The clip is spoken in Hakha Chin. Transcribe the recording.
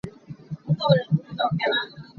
Tilu nih kan hau a pah dih.